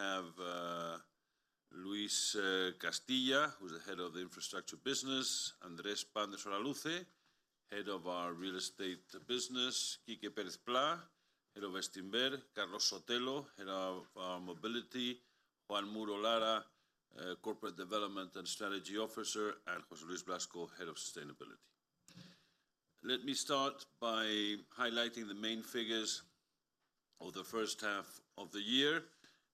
Room, we have Luis Castilla, who is the Head of the Infrastructure Business, Andrés Pan de Soraluce, Head of our Real Estate Business, Enrique Pérez-Plá, Head of BESTINVER, Carlos Sotelo, Head of our Mobility, Juan Muro-Lara, Corporate Development and Strategy Officer, and José Luis Blasco, Head of Sustainability. Let me start by highlighting the main figures of the first half of the year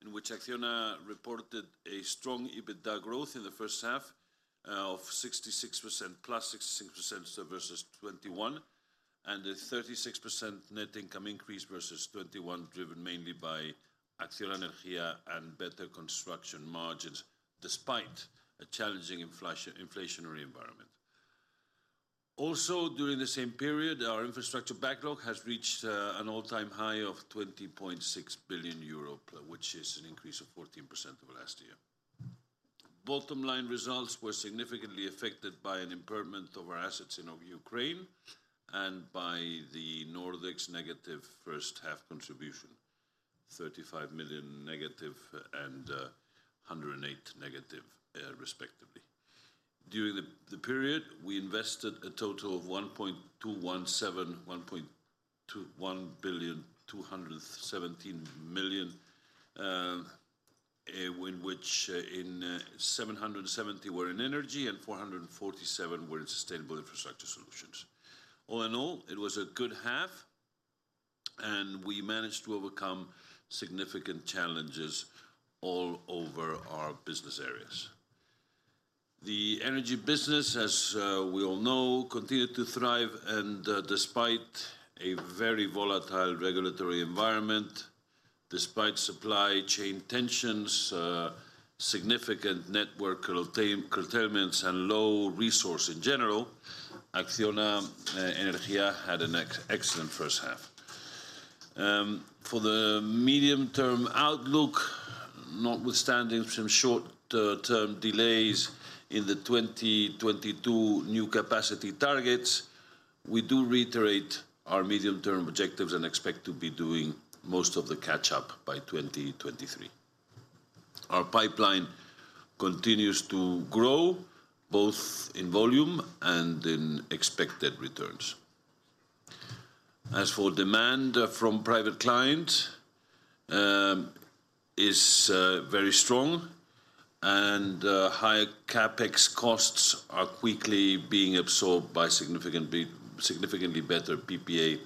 in which ACCIONA reported a strong EBITDA growth in the first half of 66%, +66% versus 2021, and a 36% net income increase versus 2021, driven mainly by ACCIONA Energía and better construction margins despite a challenging inflationary environment. During the same period, our infrastructure backlog has reached an all-time high of 20.6 billion euro, which is an increase of 14% over last year. Bottom line results were significantly affected by an impairment of our assets in Ukraine and by the Nordics negative first half contribution, -35 million and -108 million, respectively. During the period, we invested a total of 1.217 billion, in which 770 million were in energy and 447 million were in sustainable infrastructure solutions. All in all, it was a good half, and we managed to overcome significant challenges all over our business areas. The energy business, as we all know, continued to thrive and, despite a very volatile regulatory environment, despite supply chain tensions, significant network curtailments and low resource in general, ACCIONA Energía had an excellent first half. For the medium-term outlook, notwithstanding some short-term delays in the 2022 new capacity targets, we do reiterate our medium-term objectives and expect to be doing most of the catch-up by 2023. Our pipeline continues to grow both in volume and in expected returns. As for demand from private client, is very strong and high CapEx costs are quickly being absorbed by significantly better PPA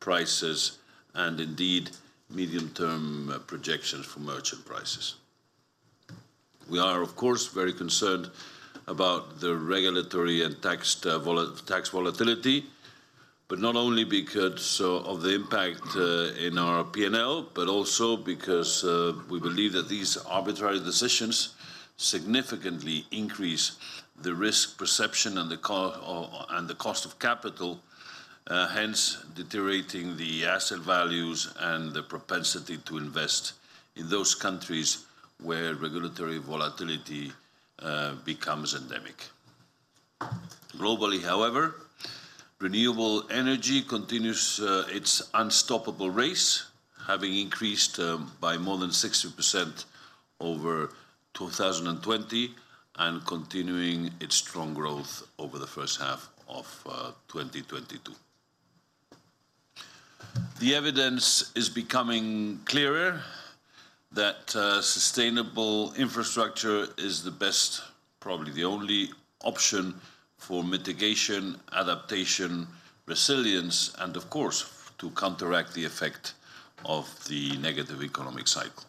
prices and indeed medium-term projections for merchant prices. We are, of course, very concerned about the regulatory and tax volatility, but not only because of the impact in our P&L, but also because we believe that these arbitrary decisions significantly increase the risk perception and the cost of capital, hence deteriorating the asset values and the propensity to invest in those countries where regulatory volatility becomes endemic. Globally, however, renewable energy continues its unstoppable race, having increased by more than 60% over 2020 and continuing its strong growth over the first half of 2022. The evidence is becoming clearer that sustainable infrastructure is the best, probably the only, option for mitigation, adaptation, resilience, and of course, to counteract the effect of the negative economic cycle.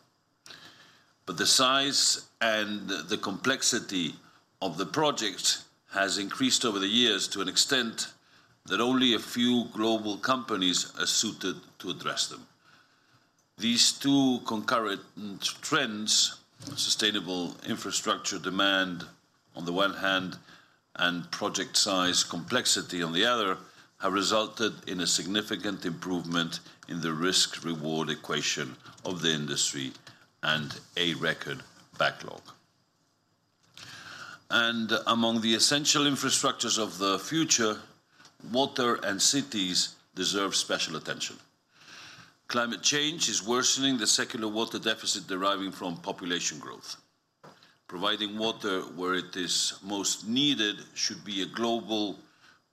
The size and the complexity of the project has increased over the years to an extent that only a few global companies are suited to address them. These two concurrent trends, sustainable infrastructure demand on the one hand and project size complexity on the other, have resulted in a significant improvement in the risk-reward equation of the industry and a record backlog. Among the essential infrastructures of the future, water and cities deserve special attention. Climate change is worsening the secular water deficit deriving from population growth. Providing water where it is most needed should be a global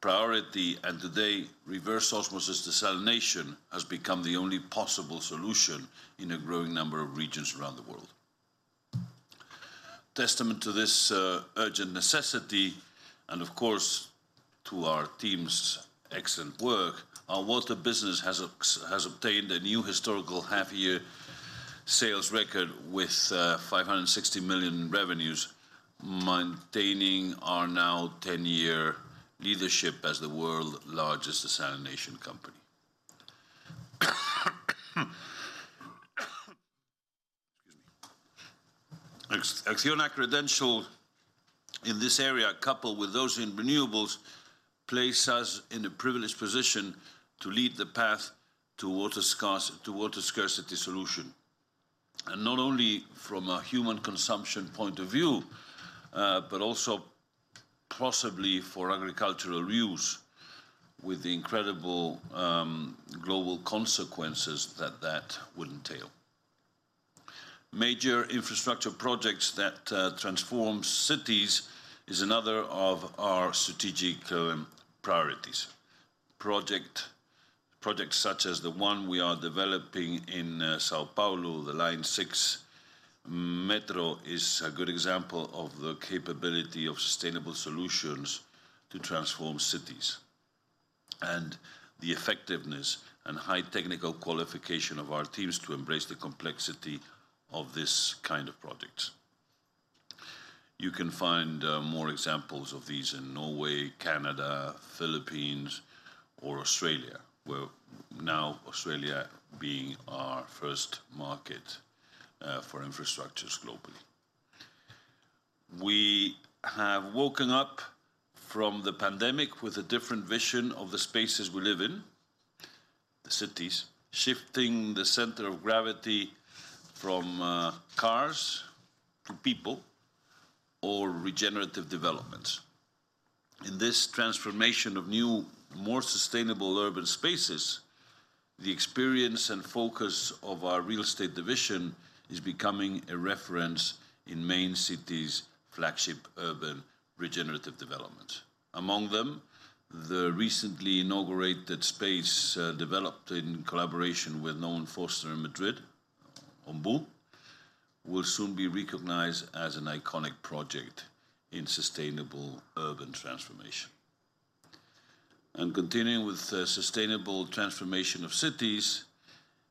priority, and today, reverse osmosis desalination has become the only possible solution in a growing number of regions around the world. Testament to this urgent necessity, and of course to our team's excellent work, our water business has obtained a new historical half-year sales record with 560 million revenues, maintaining our now 10-year leadership as the world's largest desalination company. Excuse me. ACCIONA credentials in this area, coupled with those in renewables, place us in a privileged position to lead the path to water scarcity solution, and not only from a human consumption point of view, but also possibly for agricultural use with the incredible global consequences that would entail. Major infrastructure projects that transform cities is another of our strategic priorities. Projects such as the one we are developing in São Paulo, the Line 6 Metro, is a good example of the capability of sustainable solutions to transform cities, and the effectiveness and high technical qualification of our teams to embrace the complexity of this kind of project. You can find more examples of these in Norway, Canada, Philippines, or Australia, where now Australia being our first market for infrastructures globally. We have woken up from the pandemic with a different vision of the spaces we live in, the cities, shifting the center of gravity from cars to people, or regenerative developments. In this transformation of new, more sustainable urban spaces, the experience and focus of our real estate division is becoming a reference in main cities' flagship urban regenerative development. Among them, the recently inaugurated space, developed in collaboration with Norman Foster in Madrid, Ombú, will soon be recognized as an iconic project in sustainable urban transformation. Continuing with the sustainable transformation of cities,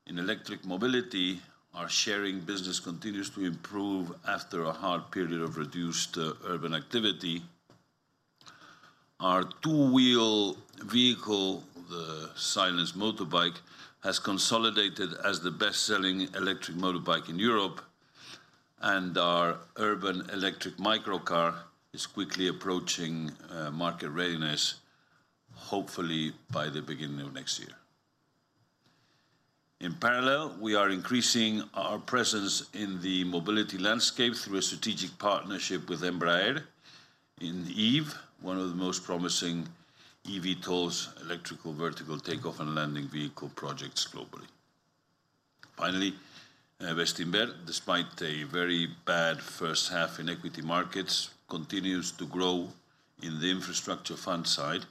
in electric mobility, our sharing business continues to improve after a hard period of reduced urban activity. Our two-wheel vehicle, the Silence motorbike, has consolidated as the best-selling electric motorbike in Europe, and our urban electric microcar is quickly approaching market readiness, hopefully by the beginning of next year. In parallel, we are increasing our presence in the mobility landscape through a strategic partnership with Embraer in Eve, one of the most promising eVTOLs, electrical vertical take-off and landing vehicle projects globally. Finally, BESTINVER, despite a very bad first half in equity markets, continues to grow in the infrastructure fund side,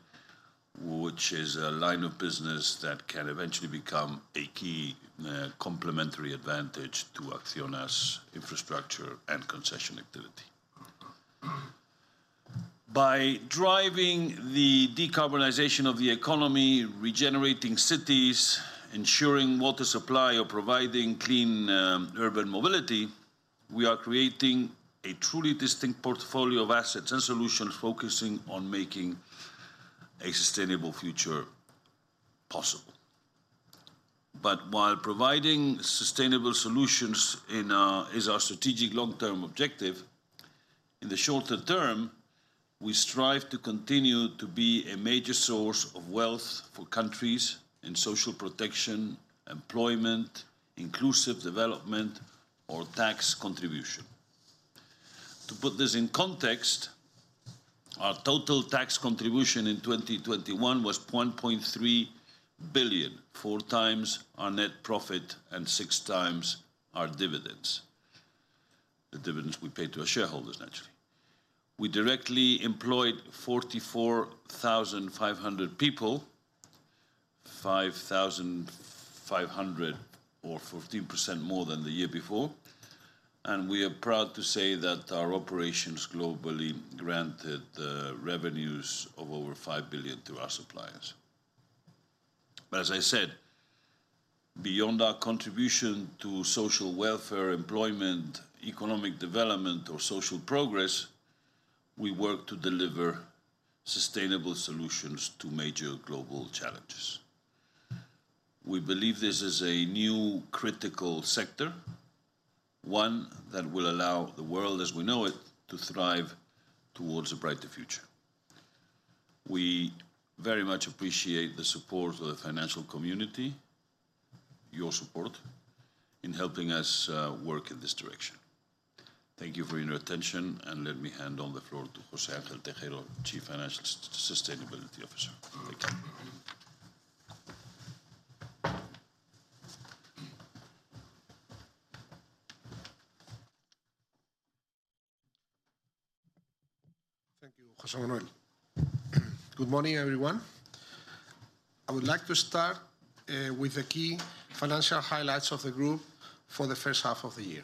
which is a line of business that can eventually become a key complementary advantage to ACCIONA's infrastructure and concession activity. By driving the decarbonization of the economy, regenerating cities, ensuring water supply, or providing clean urban mobility, we are creating a truly distinct portfolio of assets and solutions focusing on making a sustainable future possible. While providing sustainable solutions in is our strategic long-term objective, in the shorter term, we strive to continue to be a major source of wealth for countries in social protection, employment, inclusive development, or tax contribution. To put this in context, our total tax contribution in 2021 was 1.3 billion, four times our net profit and six times our dividends. The dividends we paid to our shareholders, naturally. We directly employed 44,500 people, 5,500 or 15% more than the year before, and we are proud to say that our operations globally granted revenues of over 5 billion to our suppliers. As I said, beyond our contribution to social welfare, employment, economic development, or social progress, we work to deliver sustainable solutions to major global challenges. We believe this is a new critical sector, one that will allow the world as we know it to thrive towards a brighter future. We very much appreciate the support of the financial community, your support, in helping us work in this direction. Thank you for your attention, and let me hand over the floor to José Ángel Tejero, Chief Financial and Sustainability Officer. Thank you. Thank you, José Manuel. Good morning, everyone. I would like to start with the key financial highlights of the group for the first half of the year.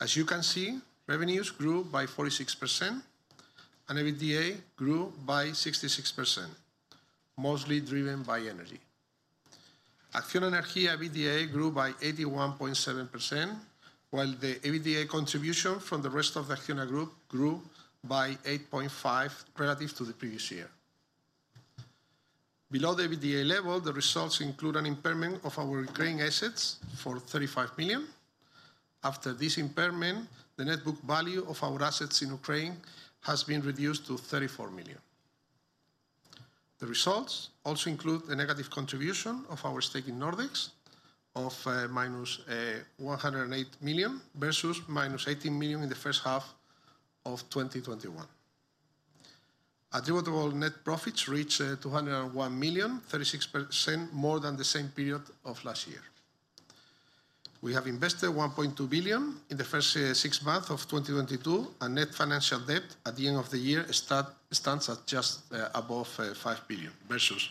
As you can see, revenues grew by 46% and EBITDA grew by 66%, mostly driven by energy. ACCIONA Energía EBITDA grew by 81.7%, while the EBITDA contribution from the rest of the ACCIONA group grew by 8.5 relative to the previous year. Below the EBITDA level, the results include an impairment of our Ukraine assets for 35 million. After this impairment, the net book value of our assets in Ukraine has been reduced to 34 million. The results also include the negative contribution of our stake in Nordex of -108 million, versus -18 million in the first half of 2021. Adjustable net profits reached 201 million, 36% more than the same period of last year. We have invested 1.2 billion in the first six months of 2022, and net financial debt at the end of the year stands at just above 5 billion versus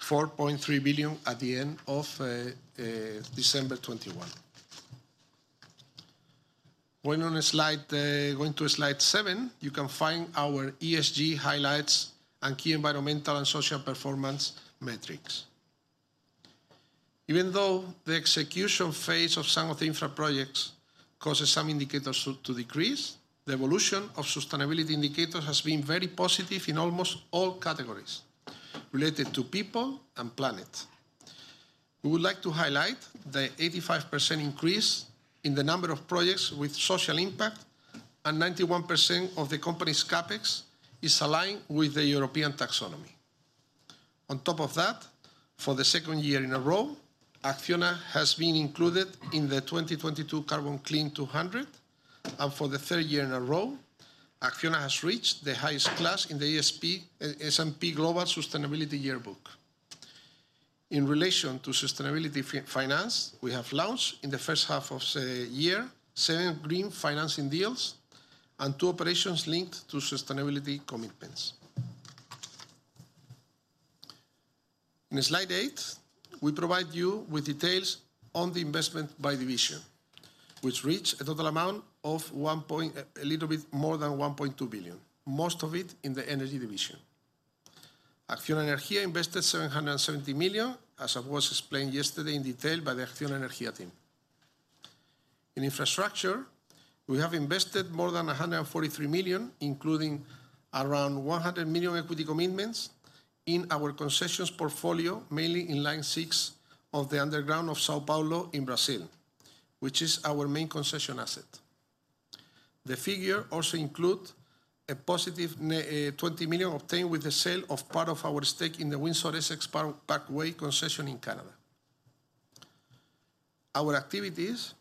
4.3 billion at the end of December 2021. Going to slide seven, you can find our ESG highlights and key environmental and social performance metrics. Even though the execution phase of some of the infra projects causes some indicators to decrease, the evolution of sustainability indicators has been very positive in almost all categories related to people and planet. We would like to highlight the 85% increase in the number of projects with social impact, and 91% of the company's CapEx is aligned with the European taxonomy. On top of that, for the second year in a row, ACCIONA has been included in the 2022 Carbon Clean200, and for the third year in a row, ACCIONA has reached the highest class in the S&P Global Sustainability Yearbook. In relation to sustainability finance, we have launched in the first half of the year, seven green financing deals and two operations linked to sustainability commitments. In slide eight, we provide you with details on the investment by division, which reached a total amount of a little bit more than 1.2 billion, most of it in the energy division. ACCIONA Energía invested 770 million, as it was explained yesterday in detail by the ACCIONA Energía team. In infrastructure, we have invested more than 143 million, including around 100 million equity commitments in our concessions portfolio, mainly in Line 6 of the underground of São Paulo in Brazil, which is our main concession asset. The figure also includes a positive 20 million obtained with the sale of part of our stake in the Windsor-Essex Parkway concession in Canada. Our activities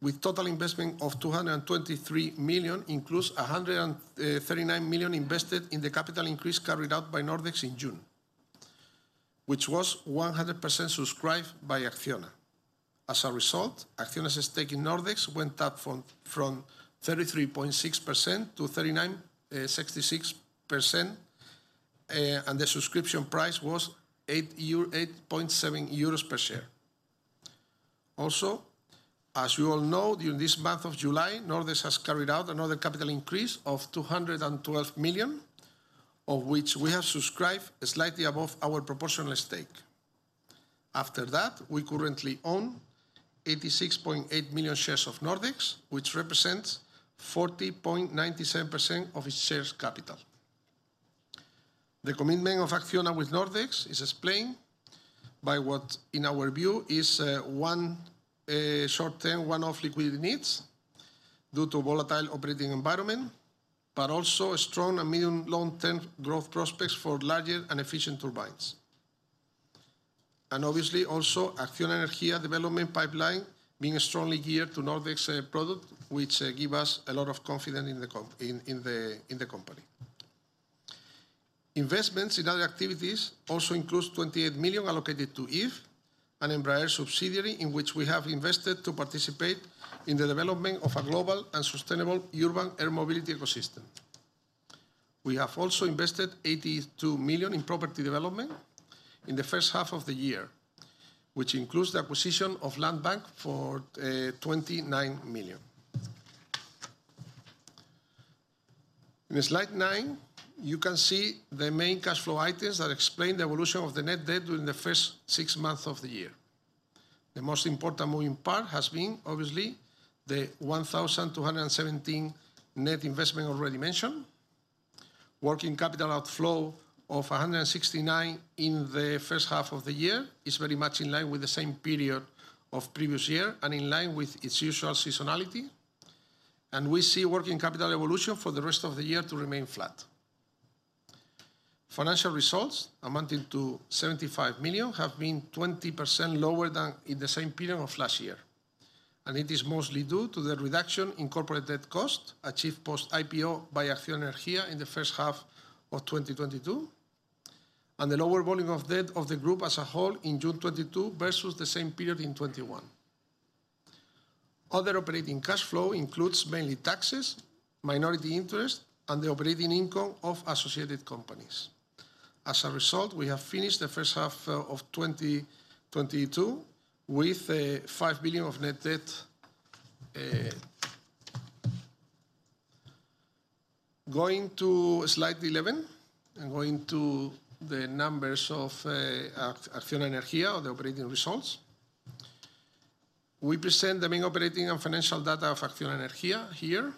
with total investment of 223 million include 139 million invested in the capital increase carried out by Nordex in June, which was 100% subscribed by ACCIONA. As a result, ACCIONA's stake in Nordex went up from 33.6%-39.66%, and the subscription price was 8.7 euros per share. Also, as you all know, during this month of July, Nordex has carried out another capital increase of 212 million, of which we have subscribed slightly above our proportional stake. After that, we currently own 86.8 million shares of Nordex, which represents 40.97% of its share capital. The commitment of ACCIONA with Nordex is explained by what, in our view, is one short-term one-off liquidity needs due to volatile operating environment, but also a strong and medium long-term growth prospects for larger and efficient turbines. ACCIONA Energía development pipeline being strongly geared to Nordex product, which give us a lot of confidence in the company. Investments in other activities also includes 28 million allocated to Eve, an Embraer subsidiary, in which we have invested to participate in the development of a global and sustainable urban air mobility ecosystem. We have also invested 82 million in property development in the first half of the year, which includes the acquisition of land bank for 29 million. In slide nine, you can see the main cash flow items that explain the evolution of the net debt during the first six months of the year. The most important moving part has been, obviously, the 1,217 net investment already mentioned. Working capital outflow of 169 million in the first half of the year is very much in line with the same period of previous year and in line with its usual seasonality, and we see working capital evolution for the rest of the year to remain flat. Financial results amounting to 75 million have been 20% lower than in the same period of last year. It is mostly due to the reduction in corporate debt cost achieved post-IPO by ACCIONA Energía in the first half of 2022, and the lower volume of debt of the group as a whole in June 2022 versus the same period in 2021. Other operating cash flow includes mainly taxes, minority interest, and the operating income of associated companies. As a result, we have finished the first half of 2022 with 5 billion of net debt. Going to slide 11, going to the numbers of ACCIONA Energía, the operating results. We present the main operating and financial data of ACCIONA Energía here.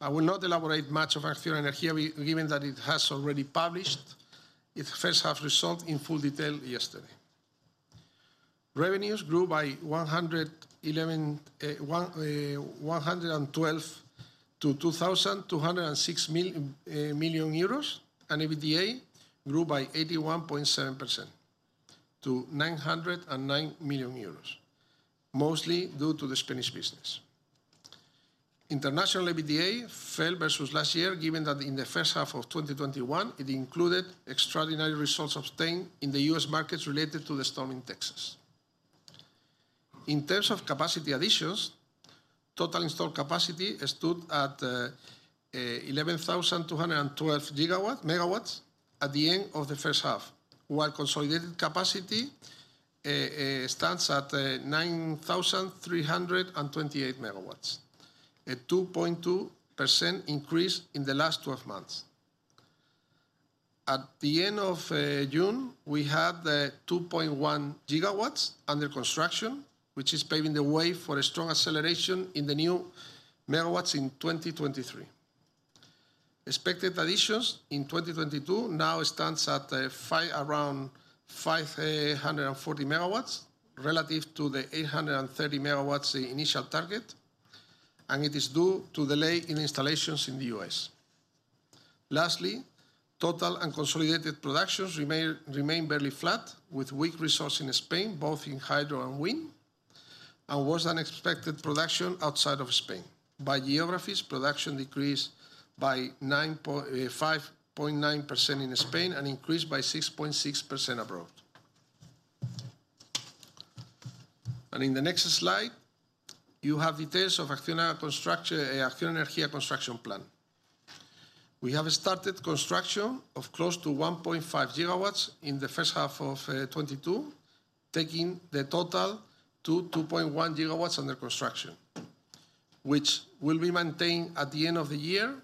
I will not elaborate much of ACCIONA Energía we, given that it has already published its first half result in full detail yesterday. Revenues grew by 112% to 2,006 million euros, and EBITDA grew by 81.7% to 909 million euros, mostly due to the Spanish business. International EBITDA fell versus last year, given that in the first half of 2021, it included extraordinary results obtained in the U.S. markets related to the storm in Texas. In terms of capacity additions, total installed capacity stood at 11,212 MW at the end of the first half. Consolidated capacity stands at 9,328 MW, a 2.2% increase in the last 12 months. At the end of June, we had 2.1 GW under construction, which is paving the way for a strong acceleration in the new megawatts in 2023. Expected additions in 2022 now stand at around 540 MW relative to the 830 MW initial target, and it is due to delay in installations in the U.S. Lastly, total and consolidated productions remain barely flat, with weak resource in Spain, both in hydro and wind, and worse than expected production outside of Spain. By geographies, production decreased by 5.9% in Spain and increased by 6.6% abroad. In the next slide, you have details of ACCIONA Construction, ACCIONA Energía construction plan. We have started construction of close to 1.5 GW in the first half of 2022, taking the total to 2.1 GW under construction, which will be maintained at the end of the year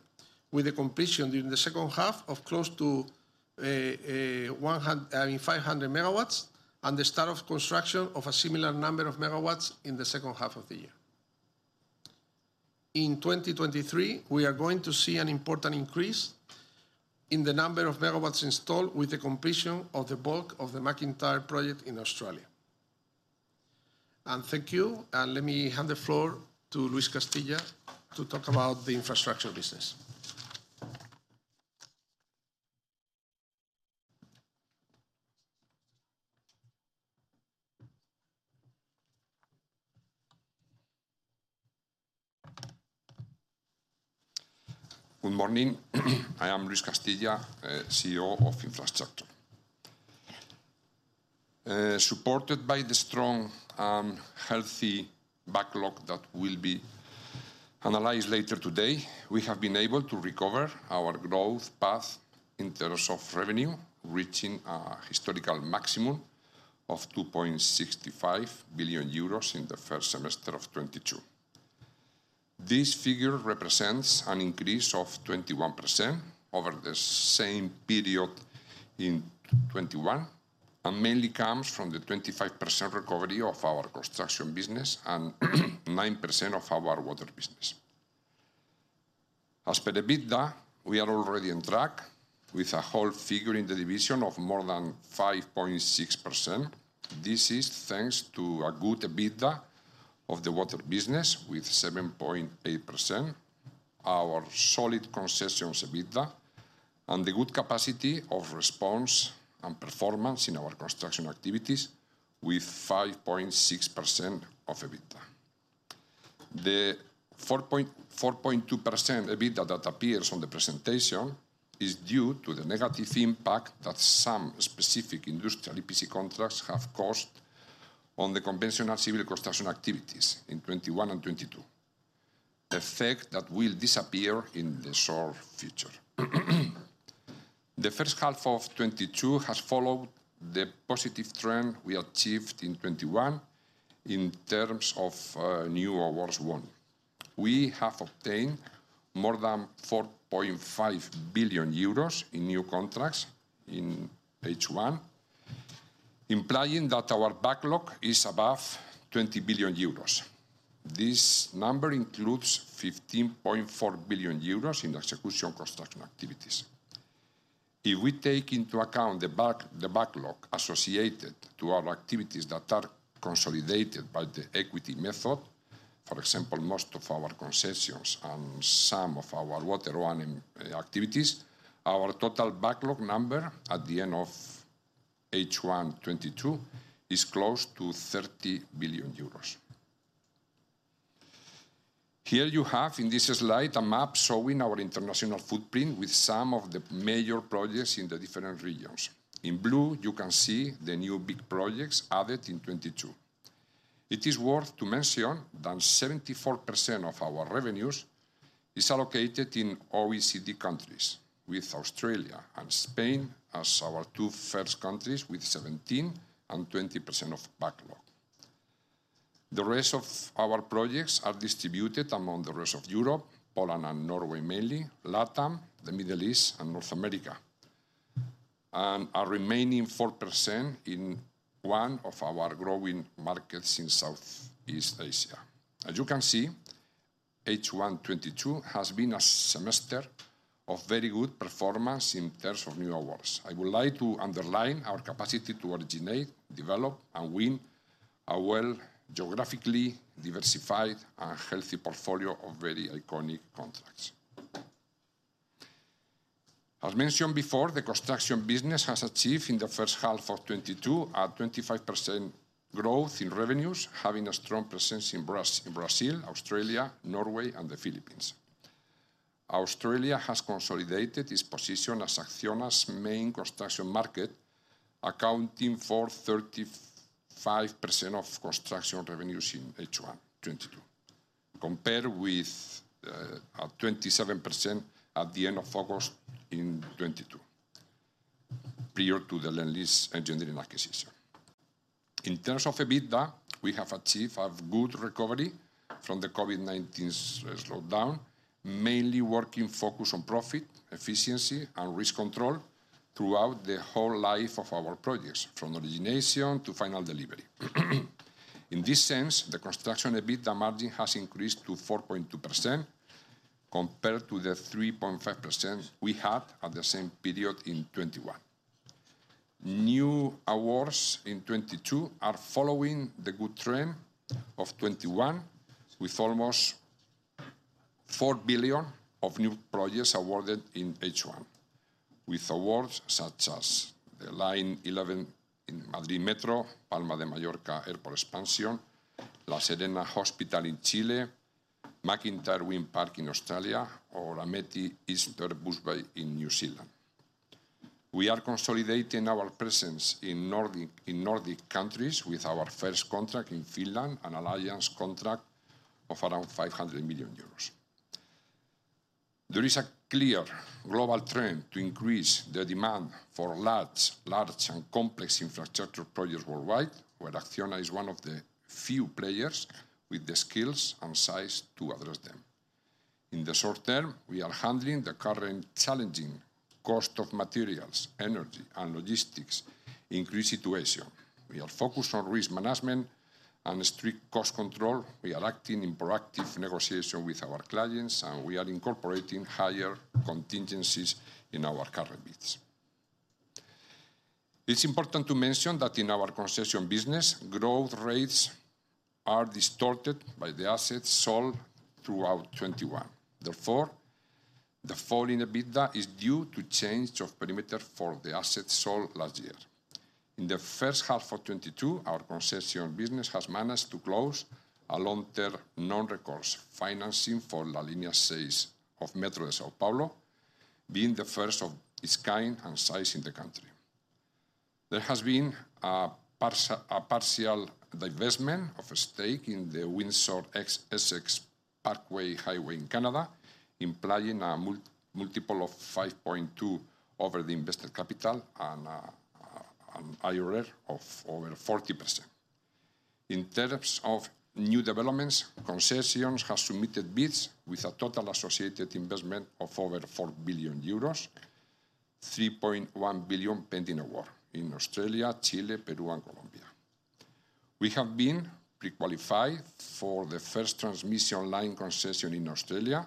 with the completion during the second half of close to, I mean, 500 MW and the start of construction of a similar number of megawatts in the second half of the year. In 2023, we are going to see an important increase in the number of megawatts installed with the completion of the bulk of the MacIntyre project in Australia. Thank you, and let me hand the floor to Luis Castilla to talk about the infrastructure business. Good morning. I am Luis Castilla, CEO of Infrastructure. Supported by the strong, healthy backlog that will be analyzed later today, we have been able to recover our growth path in terms of revenue, reaching a historical maximum of 2.65 billion euros in the first semester of 2022. This figure represents an increase of 21% over the same period in 2021, and mainly comes from the 25% recovery of our construction business and 9% of our water business. As per EBITDA, we are already on track with a whole figure in the division of more than 5.6%. This is thanks to a good EBITDA of the water business with 7.8%, our solid concessions EBITDA, and the good capacity of response and performance in our construction activities with 5.6% of EBITDA. The 4.42% EBITDA that appears on the presentation is due to the negative impact that some specific industrial EPC contracts have caused on the conventional civil construction activities in 2021 and 2022, effect that will disappear in the short future. The first half of 2022 has followed the positive trend we achieved in 2021 in terms of new awards won. We have obtained more than 4.5 billion euros in new contracts in H1, implying that our backlog is above 20 billion euros. This number includes 15.4 billion euros in execution construction activities. If we take into account the backlog associated to our activities that are consolidated by the equity method, for example, most of our concessions and some of our water running activities, our total backlog number at the end of H1 2022 is close to 30 billion euros. Here you have in this slide a map showing our international footprint with some of the major projects in the different regions. In blue, you can see the new big projects added in 2022. It is worth to mention that 74% of our revenues is allocated in OECD countries, with Australia and Spain as our two first countries with 17% and 20% of backlog. The rest of our projects are distributed among the rest of Europe, Poland and Norway mainly, LATAM, the Middle East, and North America, and our remaining 4% in one of our growing markets in Southeast Asia. As you can see, H1 2022 has been a semester of very good performance in terms of new awards. I would like to underline our capacity to originate, develop, and win a well geographically diversified and healthy portfolio of very iconic contracts. As mentioned before, the construction business has achieved in the first half of 2022, a 25% growth in revenues, having a strong presence in Brazil, Australia, Norway, and the Philippines. Australia has consolidated its position as ACCIONA's main construction market, accounting for 35% of construction revenues in H1 2022, compared with 27% at the end of August 2022, prior to the Lendlease Engineering acquisition. In terms of EBITDA, we have achieved a good recovery from the COVID-19 slowdown, mainly with a focus on profit, efficiency, and risk control throughout the whole life of our projects, from origination to final delivery. In this sense, the construction EBITDA margin has increased to 4.2% compared to the 3.5% we had at the same period in 2021. New awards in 2022 are following the good trend of 2021, with almost 4 billion of new projects awarded in H1, with awards such as the Line 11 in Madrid Metro, Palma de Mallorca Airport expansion, La Serena Hospital in Chile, MacIntyre Wind Farm in Australia, or AMETI Eastern Busway in New Zealand. We are consolidating our presence in Nordic countries with our first contract in Finland, an alliance contract of around 500 million euros. There is a clear global trend to increase the demand for large and complex infrastructure projects worldwide, where ACCIONA is one of the few players with the skills and size to address them. In the short term, we are handling the current challenging cost of materials, energy, and logistics increased situation. We are focused on risk management and strict cost control. We are acting in proactive negotiation with our clients, and we are incorporating higher contingencies in our current bids. It's important to mention that in our concession business, growth rates are distorted by the assets sold throughout 2021. Therefore, the fall in EBITDA is due to change of perimeter for the assets sold last year. In the first half of 2022, our concession business has managed to close a long-term non-recourse financing for Linha 6 of Metrô de São Paulo, being the first of its kind and size in the country. There has been a partial divestment of a stake in the Windsor Essex Parkway highway in Canada, implying a multiple of 5.2 over the invested capital and an IRR of over 40%. In terms of new developments, Concessions has submitted bids with a total associated investment of over 4 billion euros, 3.1 billion pending award in Australia, Chile, Peru, and Colombia. We have been pre-qualified for the first transmission line concession in Australia,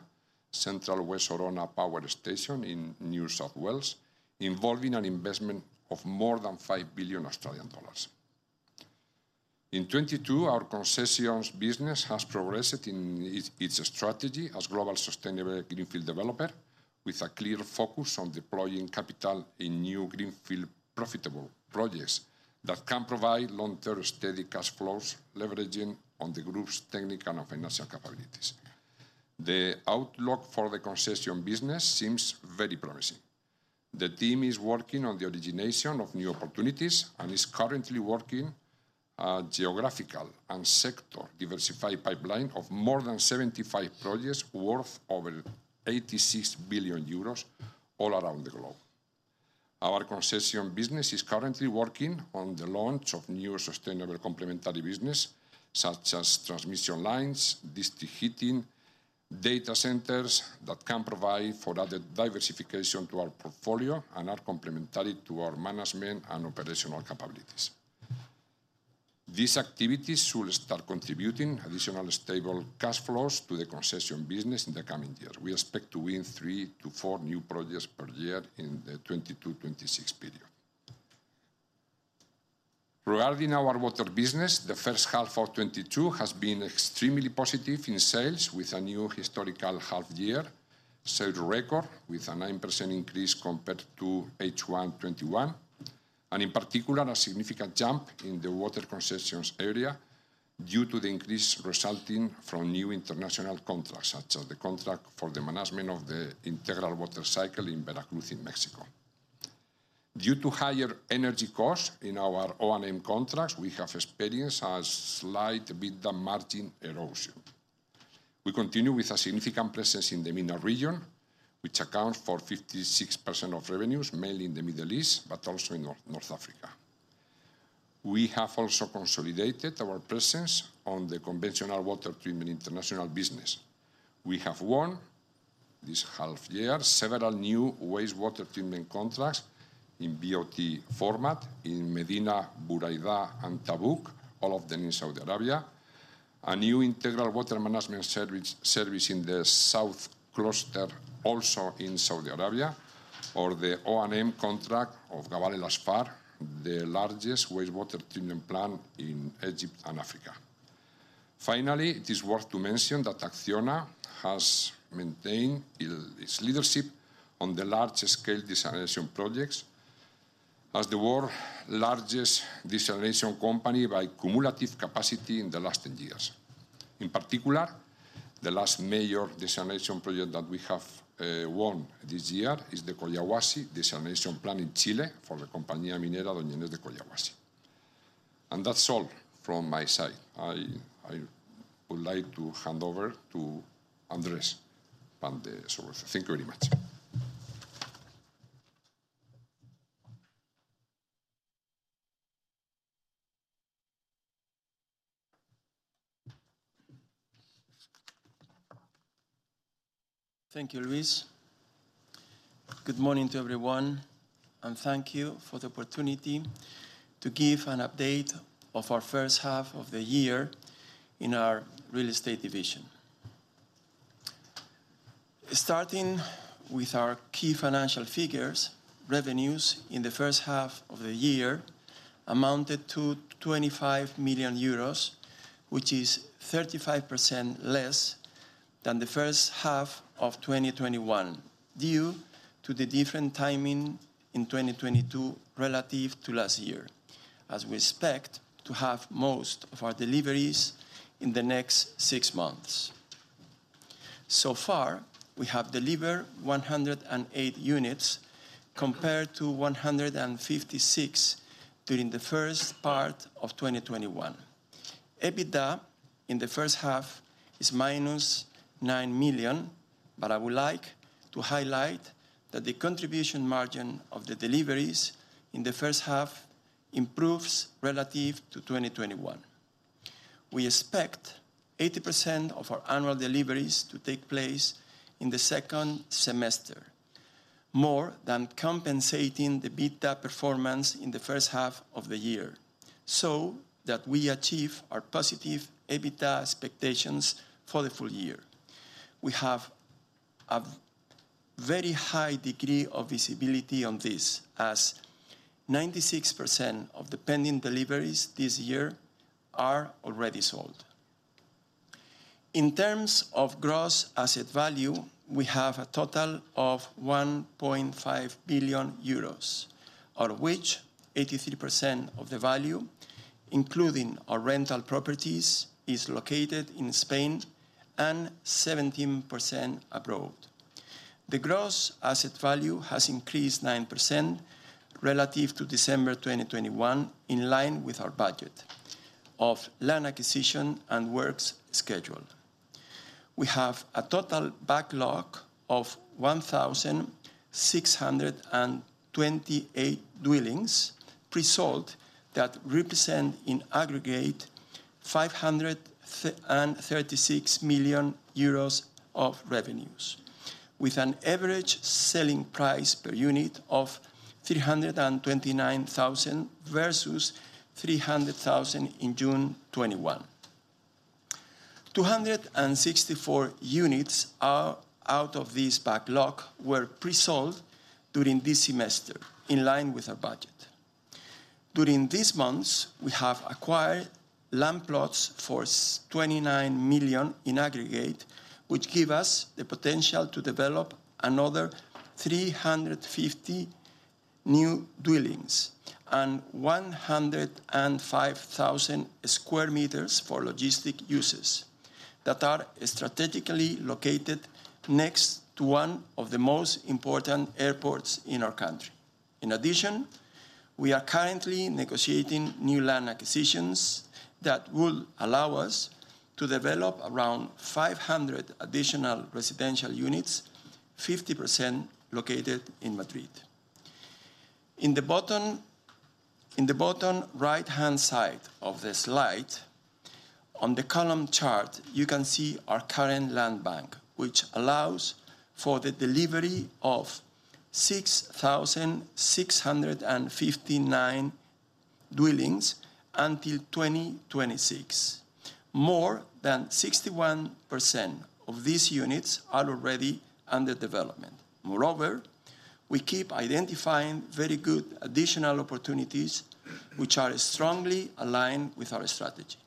Central-West Orana Power Station in New South Wales, involving an investment of more than 5 billion Australian dollars. In 2022, our Concessions business has progressed in its strategy as global sustainable greenfield developer with a clear focus on deploying capital in new greenfield profitable projects that can provide long-term steady cash flows, leveraging on the group's technical and financial capabilities. The outlook for the concession business seems very promising. The team is working on the origination of new opportunities and is currently working on a geographical and sector diversified pipeline of more than 75 projects worth over 86 billion euros all around the globe. Our concession business is currently working on the launch of new sustainable complementary business, such as transmission lines, district heating, data centers that can provide for other diversification to our portfolio and are complementary to our management and operational capabilities. These activities should start contributing additional stable cash flows to the concession business in the coming years. We expect to win three-four new projects per year in the 2022-2026 period. Regarding our water business, the first half of 2022 has been extremely positive in sales, with a new historical half year sales record, with a 9% increase compared to H1 2021. In particular, a significant jump in the water concessions area due to the increase resulting from new international contracts, such as the contract for the management of the integral water cycle in Veracruz in Mexico. Due to higher energy costs in our O&M contracts, we have experienced a slight EBITDA margin erosion. We continue with a significant presence in the MENA region, which accounts for 56% of revenues, mainly in the Middle East, but also in North Africa. We have also consolidated our presence on the conventional water treatment international business. We have this half year, several new wastewater treatment contracts in BOOT format in Madinah, Buraydah, and Tabuk, all of them in Saudi Arabia. A new integral water management service in the south cluster, also in Saudi Arabia, or the O&M contract of Gabal El Asfar, the largest wastewater treatment plant in Egypt and Africa. Finally, it is worth to mention that ACCIONA has maintained its leadership on the largest scale desalination projects as the world's largest desalination company by cumulative capacity in the last 10 years. In particular, the last major desalination project that we have won this year is the Collahuasi Desalination Plant in Chile for the Compañía Minera Doña Inés de Collahuasi. That's all from my side. I would like to hand over to Andrés Pan de Soraluce. Thank you very much. Thank you, Luis. Good morning to everyone, and thank you for the opportunity to give an update of our first half of the year in our real estate division. Starting with our key financial figures, revenues in the first half of the year amounted to 25 million euros, which is 35% less than the first half of 2021 due to the different timing in 2022 relative to last year, as we expect to have most of our deliveries in the next six months. So far, we have delivered 108 units compared to 156 during the first part of 2021. EBITDA in the first half is -9 million, but I would like to highlight that the contribution margin of the deliveries in the first half improves relative to 2021. We expect 80% of our annual deliveries to take place in the second semester, more than compensating the EBITDA performance in the first half of the year, so that we achieve our positive EBITDA expectations for the full year. We have a very high degree of visibility on this, as 96% of the pending deliveries this year are already sold. In terms of gross asset value, we have a total of 1.5 billion euros, out of which 83% of the value, including our rental properties, is located in Spain and 17% abroad. The gross asset value has increased 9% relative to December 2021, in line with our budget of land acquisition and works schedule. We have a total backlog of 1,628 dwellings pre-sold that represent in aggregate 536 million euros of revenues, with an average selling price per unit of 329,000 versus 300,000 in June 2021. 264 units out of this backlog were pre-sold during this semester, in line with our budget. During these months, we have acquired land plots for 29 million in aggregate, which give us the potential to develop another 350 new dwellings and 105,000 sq m for logistic uses that are strategically located next to one of the most important airports in our country. In addition, we are currently negotiating new land acquisitions that will allow us to develop around 500 additional residential units, 50% located in Madrid. In the bottom right-hand side of the slide, on the column chart, you can see our current land bank, which allows for the delivery of 6,659 dwellings until 2026. More than 61% of these units are already under development. Moreover, we keep identifying very good additional opportunities which are strongly aligned with our strategy.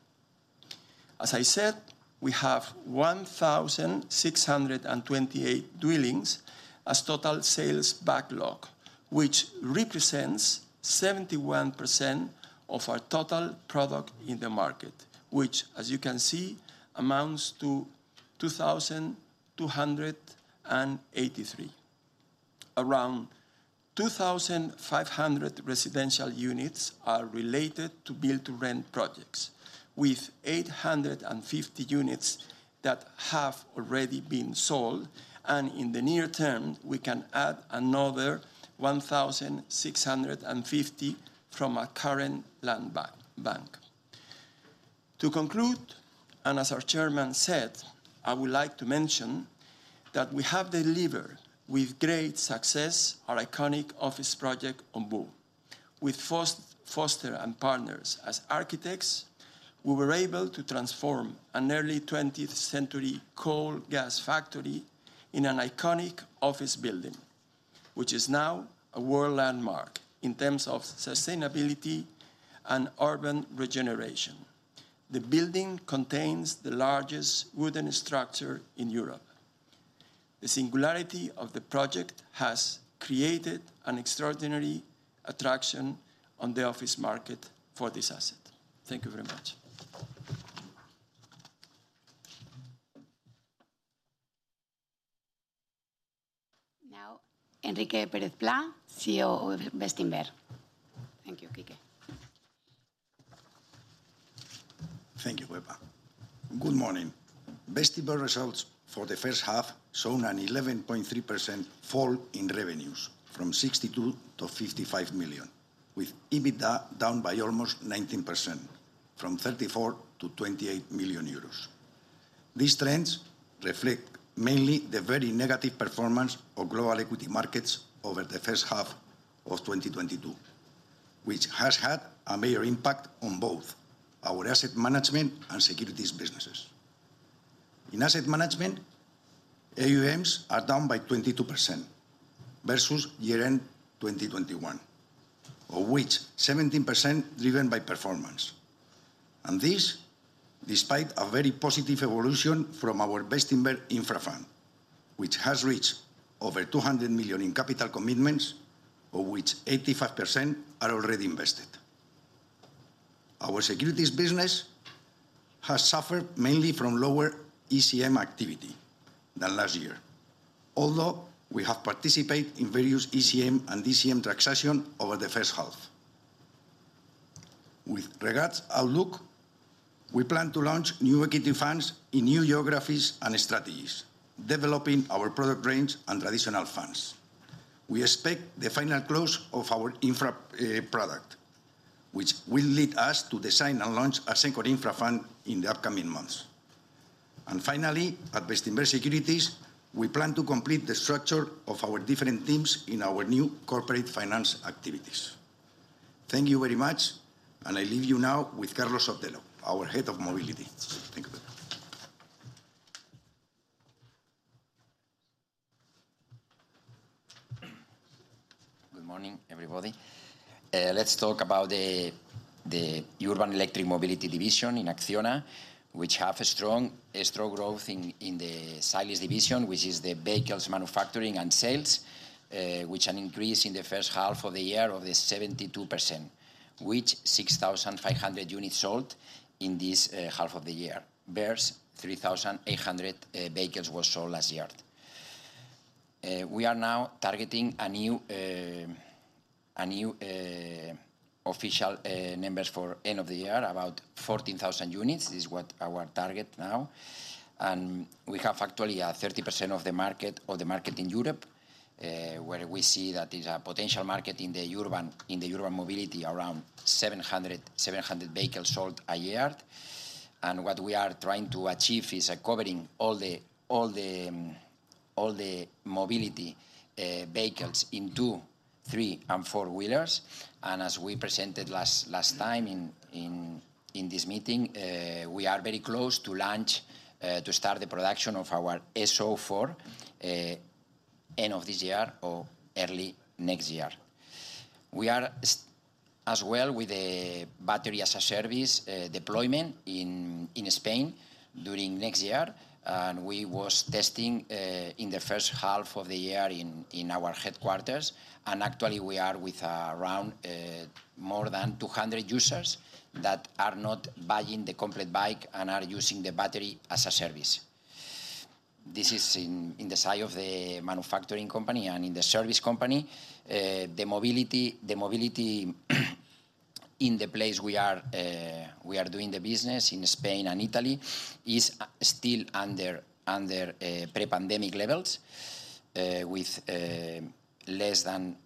As I said, we have 1,628 dwellings as total sales backlog, which represents 71% of our total product in the market, which, as you can see, amounts to 2,283. Around 2,500 residential units are related to build-to-rent projects, with 850 units that have already been sold, and in the near term, we can add another 1,650 from our current land bank. To conclude, and as our chairman said, I would like to mention that we have delivered with great success our iconic office project Ombú. With Foster + Partners as architects, we were able to transform an early 20th century coal gas factory in an iconic office building, which is now a world landmark in terms of sustainability and urban regeneration. The building contains the largest wooden structure in Europe. The singularity of the project has created an extraordinary attraction on the office market for this asset. Thank you very much. Now, Enrique Pérez-Plá, CEO of BESTINVER. Thank you, Enrique. Thank you, Pepa. Good morning. BESTINVER results for the first half show an 11.3% fall in revenues from 62 million-55 million, with EBITDA down by almost 19% from 34 million-28 million euros. These trends reflect mainly the very negative performance of global equity markets over the first half of 2022, which has had a major impact on both our asset management and securities businesses. In asset management, AUMs are down by 22% versus year-end 2021, of which 17% driven by performance. This, despite a very positive evolution from our BESTINVER Infra Fund, which has reached over 200 million in capital commitments, of which 85% are already invested. Our securities business has suffered mainly from lower ECM activity than last year, although we have participated in various ECM and DCM transactions over the first half. With regards to outlook, we plan to launch new equity funds in new geographies and strategies, developing our product range and traditional funds. We expect the final close of our infra product, which will lead us to design and launch a second infra fund in the upcoming months. Finally, at BESTINVER Securities, we plan to complete the structure of our different teams in our new corporate finance activities. Thank you very much, and I leave you now with Carlos Sotelo, our Head of Mobility. Thank you. Good morning, everybody. Let's talk about the Urban Electric Mobility division in ACCIONA, which has a strong growth in the Silence division, which is the vehicles manufacturing and sales, with an increase in the first half of the year of 72%, with 6,500 units sold in this half of the year, versus 3,800 vehicles sold last year. We are now targeting a new official numbers for end of the year, about 14,000 units is what our target now. We actually have 30% of the market in Europe, where we see that there's a potential market in the urban mobility around 700 vehicles sold a year. What we are trying to achieve is covering all the mobility vehicles in two, three, and four-wheelers. As we presented last time in this meeting, we are very close to start the production of our SO4 end of this year or early next year. We are as well with a battery-as-a-service deployment in Spain during next year. We was testing in the first half of the year in our headquarters. Actually we are with around more than 200 users that are not buying the complete bike and are using the battery as a service. This is in the side of the manufacturing company and in the service company. The mobility in the place we are doing the business in Spain and Italy is still under pre-pandemic levels with less than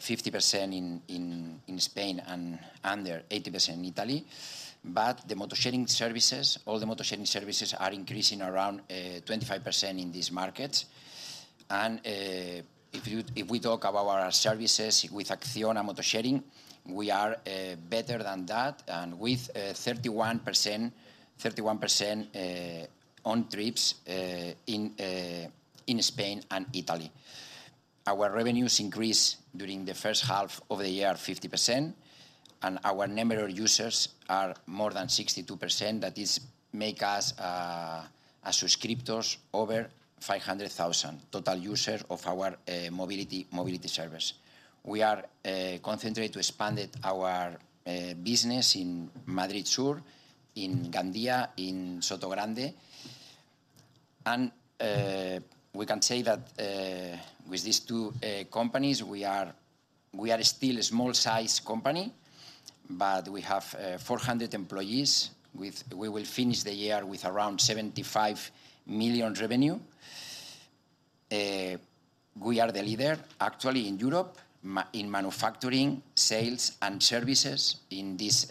50% in Spain and under 80% in Italy. The motosharing services are increasing around 25% in these markets. If we talk about our services with ACCIONA motosharing, we are better than that and with 31% on trips in Spain and Italy. Our revenues increased during the first half of the year 50%, and our number of users are more than 62%. That is make us as subscribers over 500,000 total users of our mobility service. We are concentrated to expand it, our business in Madrid Sur, in Gandia, in Sotogrande. We can say that with these two companies, we are still a small size company, but we have 400 employees. We will finish the year with around 75 million revenue. We are the leader actually in Europe in manufacturing, sales, and services in this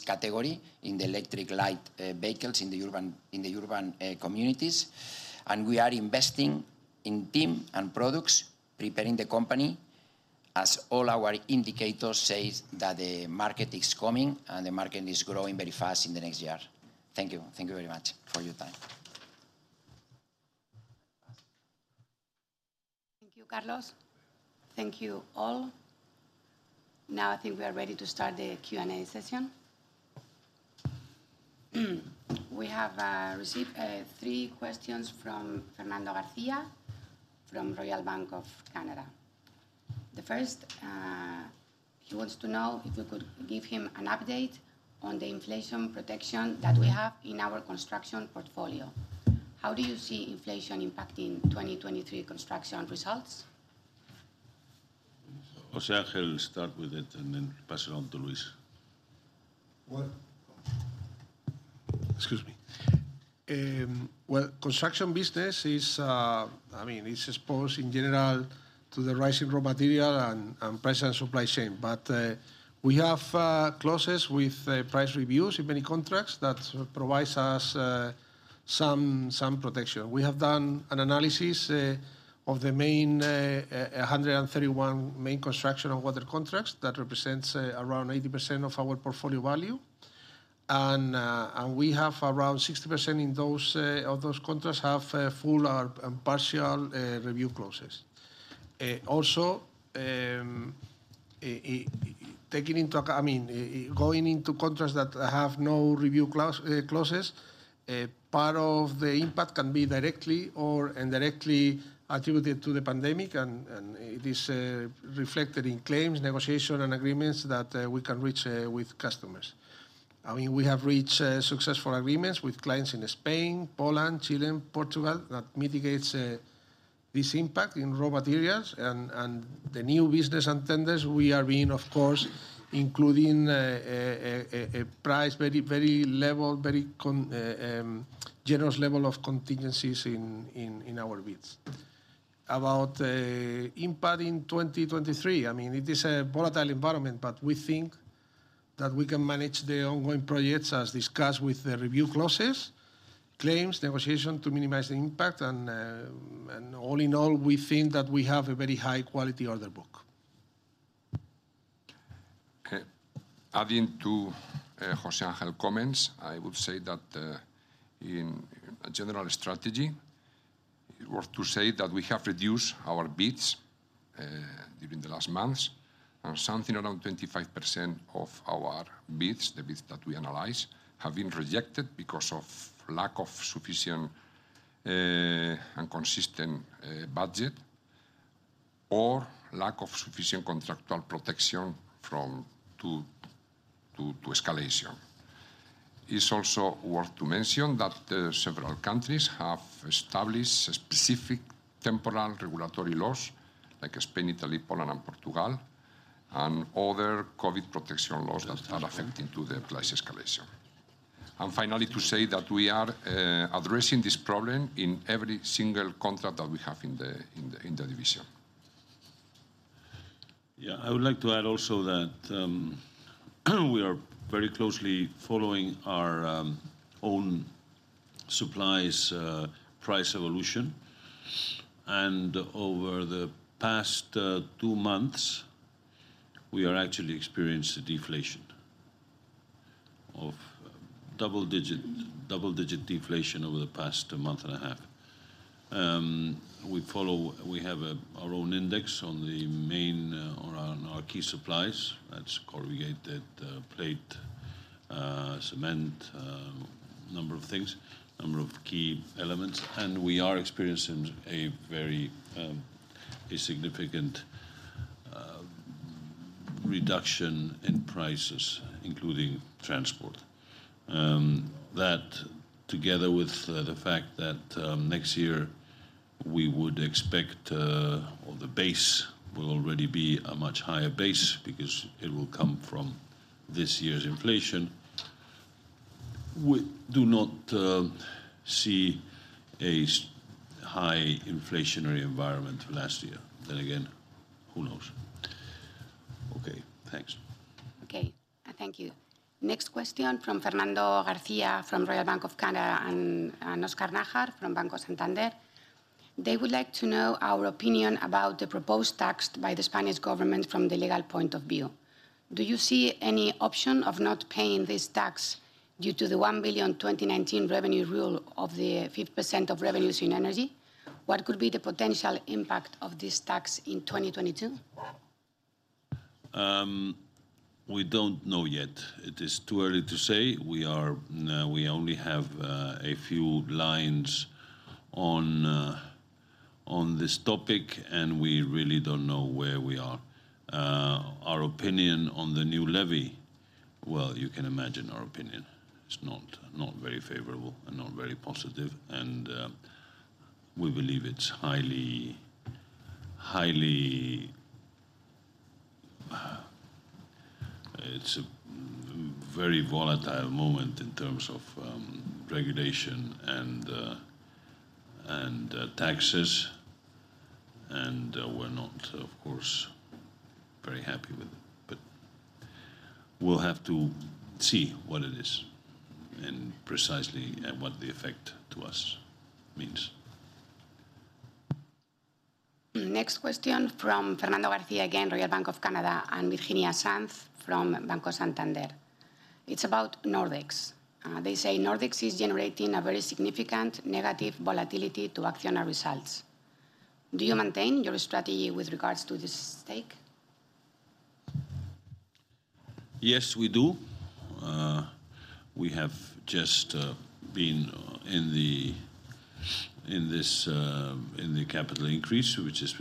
category, in the electric light vehicles in the urban communities. We are investing in team and products, preparing the company, as all our indicators says that the market is coming and the market is growing very fast in the next year. Thank you. Thank you very much for your time. Thank you, Carlos. Thank you all. Now I think we are ready to start the Q&A session. We have received three questions from Fernando Garcia from Royal Bank of Canada. The first, he wants to know if you could give him an update on the inflation protection that we have in our construction portfolio. How do you see inflation impacting 2023 construction results? José Ángel will start with it and then pass it on to Luis. Excuse me. Well, construction business is, I mean, it's exposed in general to the rising raw material and price and supply chain. We have clauses with price reviews in many contracts that provides us some protection. We have done an analysis of the main 131 construction and water contracts that represents around 80% of our portfolio value. We have around 60% of those contracts have full or partial review clauses. Also, going into contracts that have no review clauses, part of the impact can be directly or indirectly attributed to the pandemic and it is reflected in claims, negotiation, and agreements that we can reach with customers. I mean, we have reached successful agreements with clients in Spain, Poland, Chile, Portugal, that mitigates this impact in raw materials. The new business and tenders we are, of course, including a very generous level of contingencies in our bids. About impact in 2023, I mean, it is a volatile environment, but we think that we can manage the ongoing projects as discussed with the review clauses, claims, negotiation to minimize the impact, and all in all, we think that we have a very high quality order book. Okay. Adding to José Ángel's comments, I would say that in a general strategy, it worth to say that we have reduced our bids during the last months, and something around 25% of our bids, the bids that we analyze, have been rejected because of lack of sufficient and consistent budget or lack of sufficient contractual protection from to escalation. It's also worth to mention that several countries have established specific temporal regulatory laws, like Spain, Italy, Poland, and Portugal, and other COVID protection laws that are affecting to the price escalation. Finally, to say that we are addressing this problem in every single contract that we have in the division. Yeah. I would like to add also that we are very closely following our own supplies price evolution. Over the past two months, we have actually experienced a double-digit deflation over the past month and a half. We have our own index on our key supplies. That's corrugated plate, cement, number of things, number of key elements. We are experiencing a very significant reduction in prices, including transport. That together with the fact that next year we would expect or the base will already be a much higher base because it will come from this year's inflation. We do not see a high inflationary environment last year. Then again, who knows? Okay, thanks. Okay, thank you. Next question from Fernando Garcia from Royal Bank of Canada and Óscar Nájar from Banco Santander. They would like to know our opinion about the proposed tax by the Spanish government from the legal point of view. Do you see any option of not paying this tax due to the 1 billion 2019 revenue rule of the 50% of revenues in energy? What could be the potential impact of this tax in 2022? We don't know yet. It is too early to say. We only have a few lines on this topic, and we really don't know where we are. Our opinion on the new levy, well, you can imagine our opinion. It's not very favorable and not very positive. We believe it's highly. It's a very volatile moment in terms of regulation and taxes. We're not, of course, very happy with it. We'll have to see what it is and precisely what the effect to us means. Next question from Fernando Garcia again, Royal Bank of Canada, and Virginia Sanz from Banco Santander. It's about Nordex. They say Nordex is generating a very significant negative volatility to ACCIONA results. Do you maintain your strategy with regards to this stake? Yes, we do. We have just participated in this capital increase, which has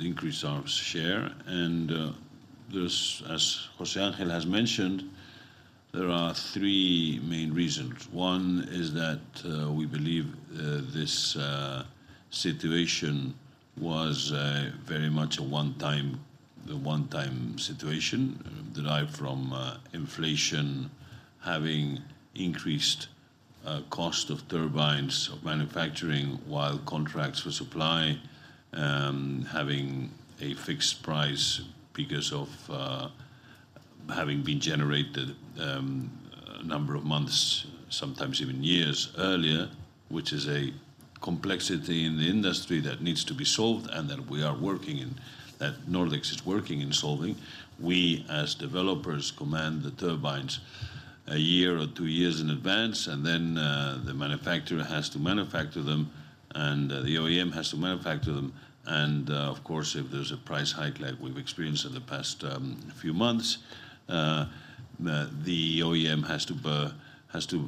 increased our share. There is, as José Ángel has mentioned, there are three main reasons. One is that we believe this situation was very much a one-time situation derived from inflation having increased cost of turbines of manufacturing, while contracts for supply having a fixed price because of having been generated a number of months, sometimes even years earlier, which is a complexity in the industry that needs to be solved and that we are working and that Nordex is working on solving. We, as developers, order the turbines a year or two years in advance, and then the manufacturer has to manufacture them, and the OEM has to manufacture them. Of course, if there's a price hike like we've experienced in the past few months, the OEM has to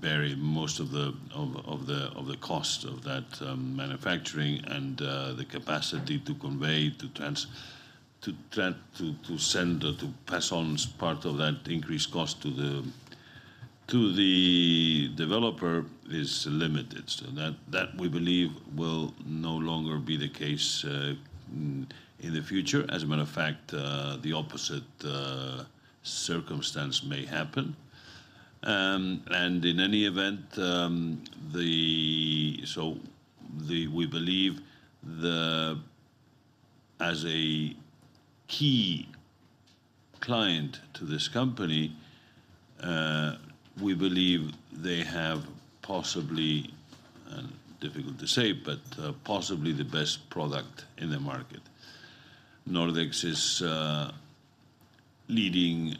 bear most of the cost of that manufacturing and the capacity to send or to pass on part of that increased cost to the developer is limited. That we believe will no longer be the case in the future. As a matter of fact, the opposite circumstance may happen. In any event, as a key client to this company, we believe they have possibly, and difficult to say, but, possibly the best product in the market. Nordex is leading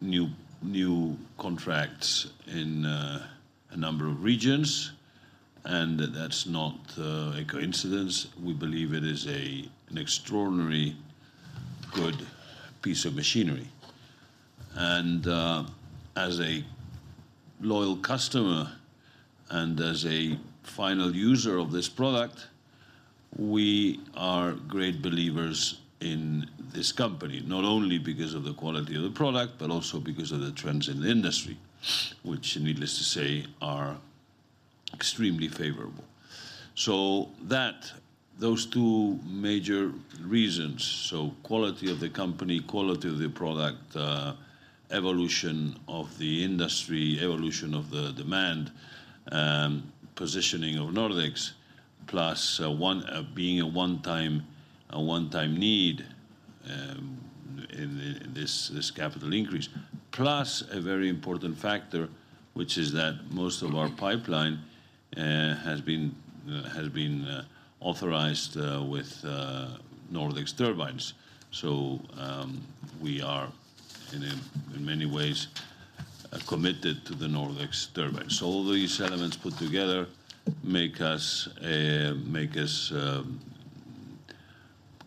new contracts in a number of regions, and that's not a coincidence. We believe it is an extraordinary good piece of machinery. As a loyal customer and as a final user of this product, we are great believers in this company, not only because of the quality of the product, but also because of the trends in the industry, which needless to say, are extremely favorable. Those two major reasons, so quality of the company, quality of the product, evolution of the industry, evolution of the demand, positioning of Nordex, plus one being a one-time need in this capital increase. Plus a very important factor, which is that most of our pipeline has been authorized with Nordex turbines. We are in many ways committed to the Nordex turbines. All these elements put together make us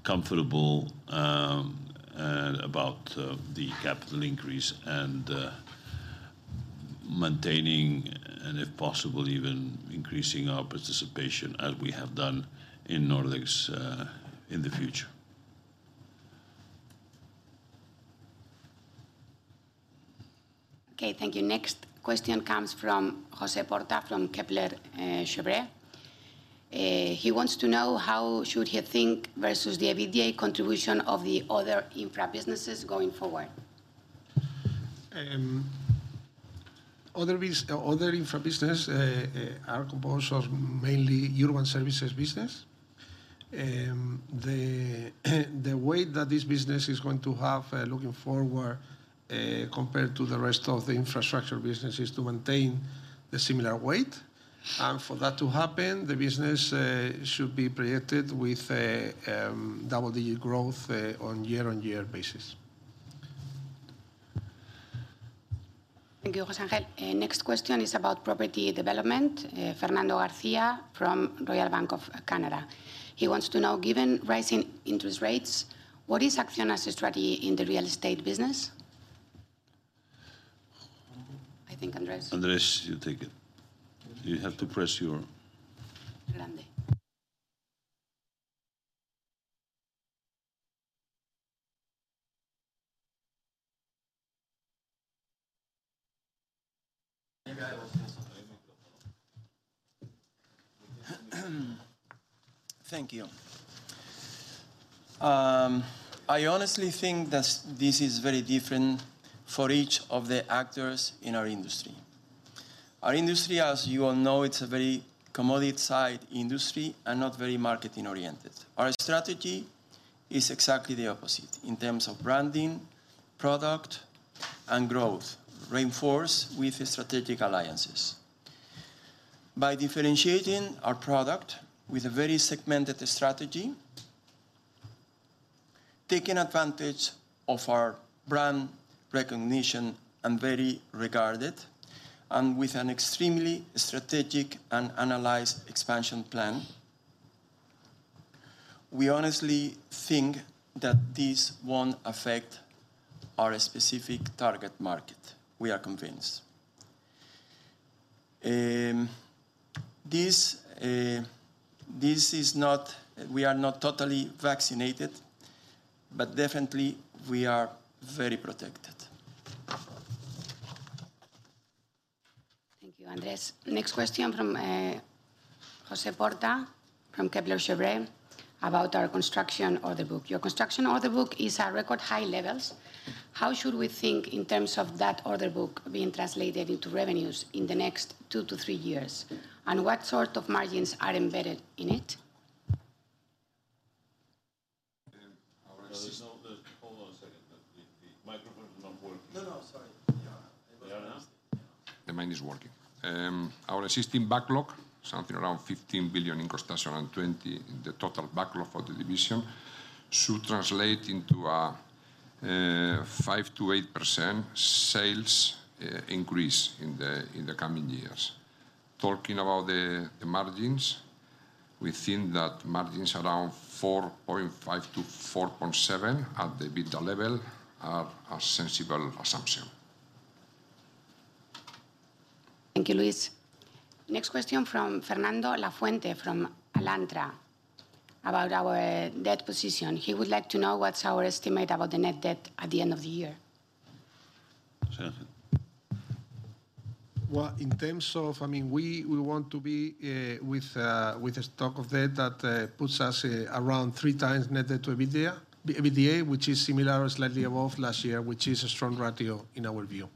comfortable about the capital increase and maintaining and if possible even increasing our participation as we have done in Nordex in the future. Okay, thank you. Next question comes from José Porta, from Kepler Cheuvreux. He wants to know how should he think versus the EBITDA contribution of the other infra businesses going forward. Other infra business are composed of mainly urban services business. The weight that this business is going to have, looking forward, compared to the rest of the infrastructure business, is to maintain the similar weight. For that to happen, the business should be projected with a double digit growth on year-over-year basis. Thank you, José Ángel. Next question is about property development. Fernando Garcia from Royal Bank of Canada. He wants to know, given rising interest rates, what is ACCIONA's strategy in the real estate business? I think, Andrés. Andrés, you take it. You have to press your. Lande. Maybe I will say something. Thank you. I honestly think that this is very different for each of the actors in our industry. Our industry, as you all know, it's a very commodity side industry and not very marketing-oriented. Our strategy is exactly the opposite in terms of branding, product, and growth, reinforced with strategic alliances. By differentiating our product with a very segmented strategy, taking advantage of our brand recognition and very regarded, and with an extremely strategic and analyzed expansion plan, we honestly think that this won't affect our specific target market. We are convinced. We are not totally vaccinated, but definitely we are very protected. Thank you, Andrés. Next question from José Porta from Kepler Cheuvreux about our construction order book. Your construction order book is at record high levels. How should we think in terms of that order book being translated into revenues in the next two to three years? And what sort of margins are embedded in it? And our sys- Hold on a second. The microphone is not working. No, no. Sorry. Yeah. There now? The mic is working. Our existing backlog, something around 15 billion in construction and 20 billion in the total backlog for the division, should translate into a 5%-8% sales increase in the coming years. Talking about the margins, we think that margins around 4.5%-4.7% at the EBITDA level are a sensible assumption. Thank you, Luis. Next question from Fernando Lafuente from Alantra about our debt position. He would like to know what's our estimate about the net debt at the end of the year. José Ángel? Well, in terms of, I mean, we want to be with a stock of debt that puts us around three times net debt to EBITDA. The EBITDA, which is similar or slightly above last year, which is a strong ratio in our view.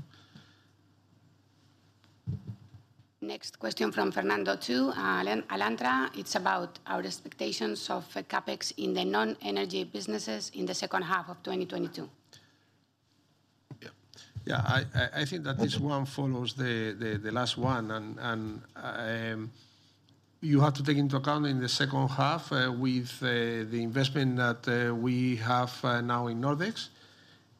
Next question from Fernando too, Alantra. It's about our expectations of CapEx in the non-energy businesses in the second half of 2022. Yeah. Yeah. I think that this one follows the last one. You have to take into account in the second half, with the investment that we have now in Nordex.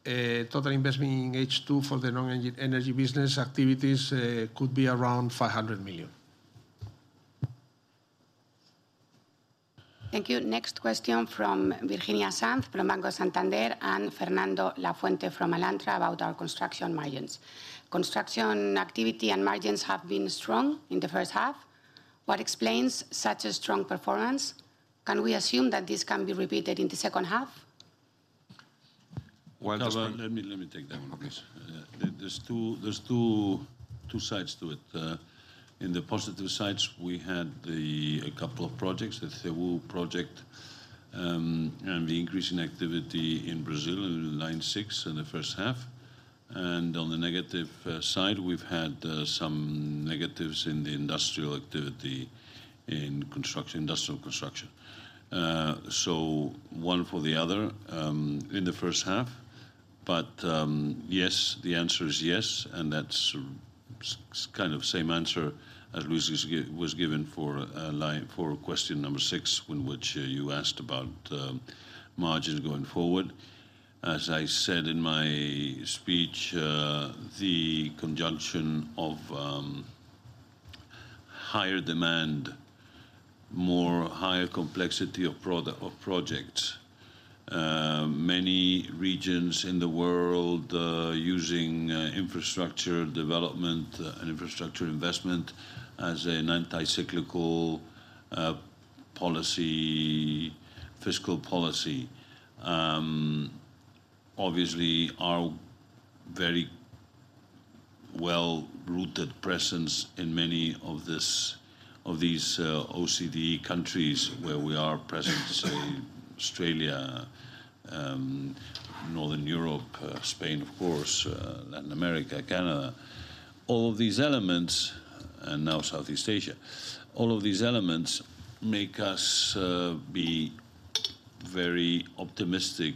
Total investment in H2 for the non-energy business activities could be around 500 million. Thank you. Next question from Virginia Sanz from Banco Santander and Fernando Lafuente from Alantra about our construction margins. Construction activity and margins have been strong in the first half. What explains such a strong performance? Can we assume that this can be repeated in the second half? Well, this one. No, let me take that one, please. Okay. There's two sides to it. In the positive sides, we had a couple of projects, the Cebu project, and the increase in activity in Brazil, in Line 6 in the first half. On the negative side, we've had some negatives in the industrial activity in construction, industrial construction. One for the other, in the first half. Yes, the answer is yes, and that's kind of same answer as Luis has given for question number six, when you asked about margins going forward. As I said in my speech, the conjunction of higher demand, higher complexity of projects, many regions in the world using infrastructure development and infrastructure investment as an anti-cyclical fiscal policy, obviously our very well-rooted presence in many of these OECD countries where we are present, say Australia, Northern Europe, Spain of course, Latin America, Canada. All of these elements, and now Southeast Asia, all of these elements make us be very optimistic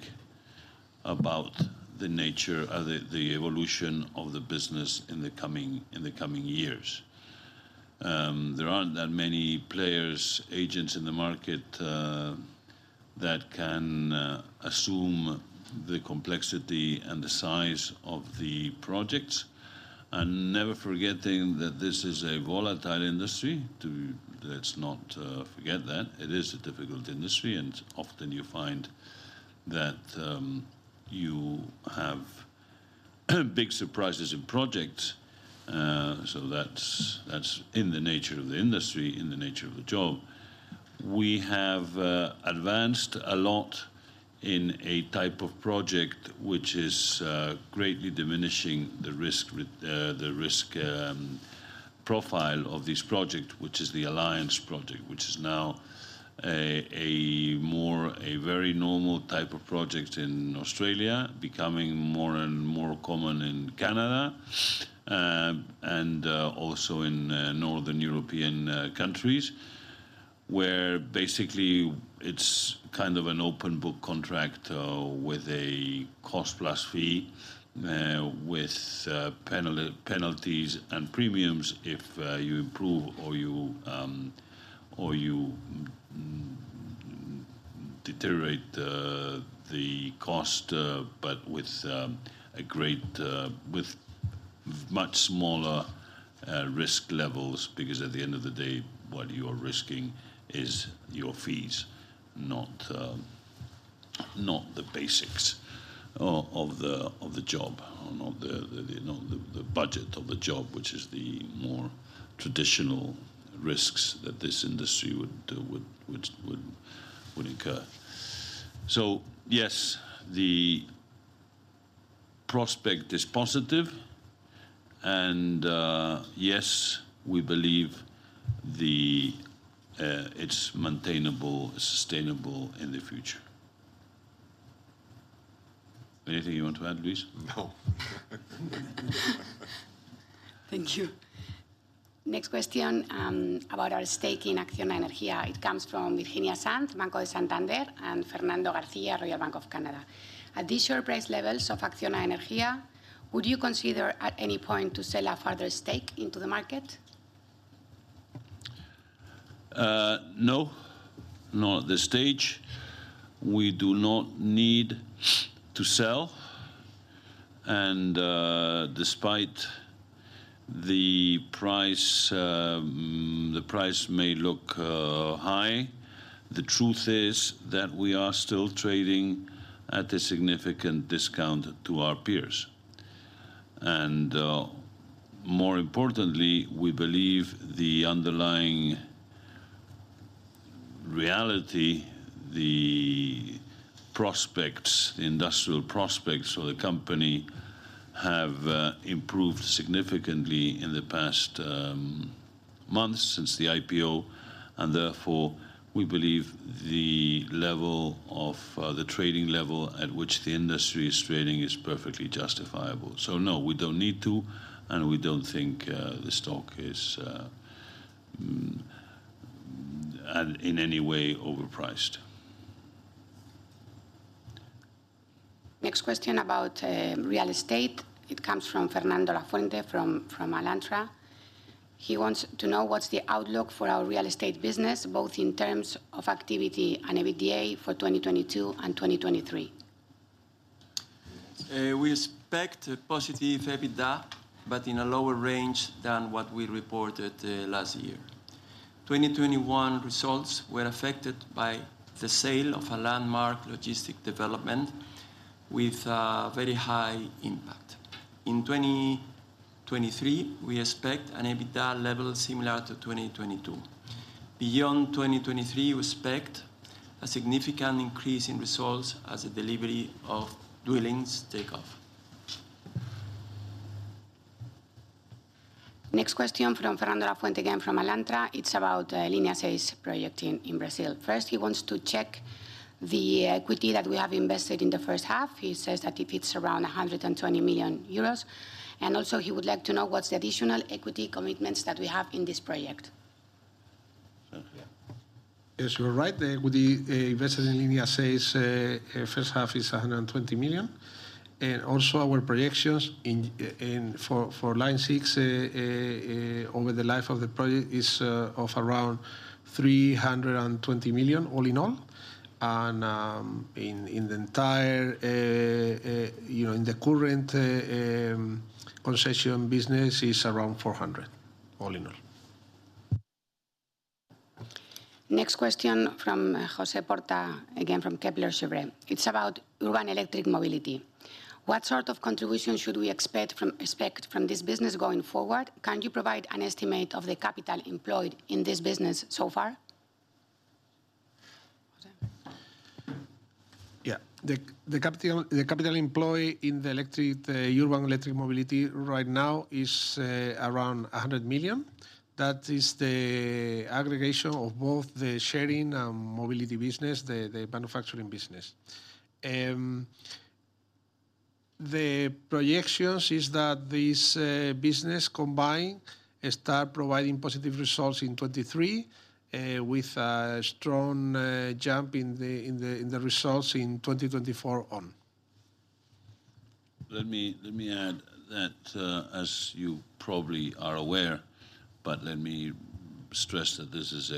about the nature of the evolution of the business in the coming years. There aren't that many players, agents in the market that can assume the complexity and the size of the projects. Never forgetting that this is a volatile industry. Let's not forget that. It is a difficult industry, and often you find that you have big surprises in projects. That's in the nature of the industry, in the nature of the job. We have advanced a lot in a type of project which is greatly diminishing the risk with the risk profile of this project, which is the alliance project. Which is now a very normal type of project in Australia, becoming more and more common in Canada, and also in Northern European countries, where basically it's kind of an open book contract with a cost plus fee with penalties and premiums if you improve or you deteriorate the cost, but with much smaller risk levels. Because at the end of the day, what you're risking is your fees, not the basics of the job or, you know, the budget of the job, which is the more traditional risks that this industry would incur. Yes, the prospect is positive. Yes, we believe it's maintainable, sustainable in the future. Anything you want to add, Luis? No. Thank you. Next question, about our stake in ACCIONA Energía. It comes from Virginia Sanz, Banco Santander, and Fernando Garcia, Royal Bank of Canada. At these short price levels of ACCIONA Energía, would you consider at any point to sell a further stake into the market? No. Not at this stage. We do not need to sell. Despite the price, the price may look high, the truth is that we are still trading at a significant discount to our peers. More importantly, we believe the underlying reality, the prospects, the industrial prospects for the company have improved significantly in the past months since the IPO, and therefore, we believe the level of the trading level at which the industry is trading is perfectly justifiable. No, we don't need to, and we don't think the stock is in any way overpriced. Next question about real estate. It comes from Fernando Lafuente, from Alantra. He wants to know what's the outlook for our real estate business, both in terms of activity and EBITDA for 2022 and 2023. We expect a positive EBITDA, but in a lower range than what we reported last year. 2021 results were affected by the sale of a landmark logistic development with a very high impact. In 2023, we expect an EBITDA level similar to 2022. Beyond 2023, we expect a significant increase in results as the delivery of dwellings take off. Next question from Fernando Lafuente, again from Alantra. It's about Linha 6 project in Brazil. First, he wants to check the equity that we have invested in the first half. He says that it's around 120 million euros. Also, he would like to know what's the additional equity commitments that we have in this project. Yes, you're right. The equity invested in Line 6 first half is 120 million. Our projections for Line 6 over the life of the project is around 320 million all in all. In the entire, you know, current concession business is around 400 million all in all. Next question from José Porta, again, from Kepler Cheuvreux. It's about urban electric mobility. What sort of contribution should we expect from this business going forward? Can you provide an estimate of the capital employed in this business so far? José. Yeah. The capital employed in the urban electric mobility right now is around 100 million. That is the aggregation of both the sharing and mobility business, the manufacturing business. The projections is that this business combined start providing positive results in 2023, with a strong jump in the results in 2024. Let me add that, as you probably are aware, but let me stress that this is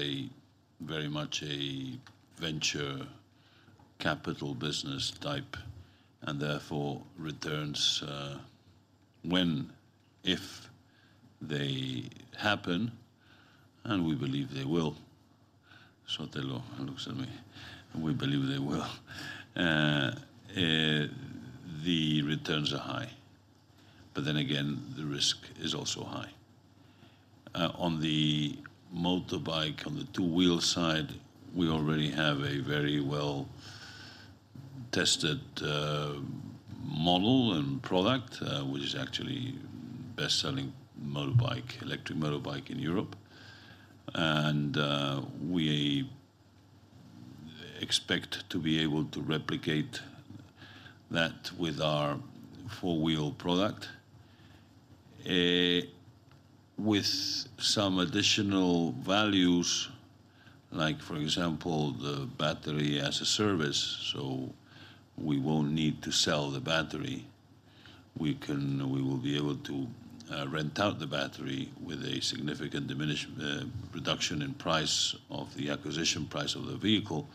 very much a venture capital business type and therefore returns, when, if they happen, and we believe they will. Sotelo looks at me. We believe they will. The returns are high. Then again, the risk is also high. On the motorbike, on the two-wheel side, we already have a very well-tested model and product, which is actually bestselling motorbike, electric motorbike in Europe. We expect to be able to replicate that with our four-wheel product. With some additional values, like for example, the battery-as-a-service, so we won't need to sell the battery. We will be able to rent out the battery with a significant reduction in price of the acquisition price of the vehicle.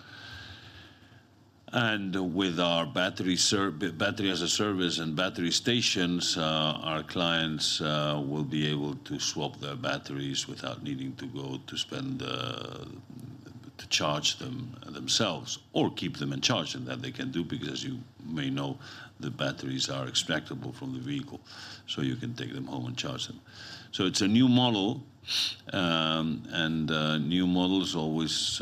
With our battery-as-a-service and battery stations, our clients will be able to swap their batteries without needing to go to spend to charge them themselves or keep them and charge them. That they can do because you may know the batteries are extractable from the vehicle, so you can take them home and charge them. It's a new model, and new models always